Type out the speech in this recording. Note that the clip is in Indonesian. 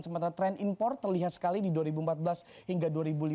sementara tren impor terlihat sekali di dua ribu empat belas hingga dua ribu lima belas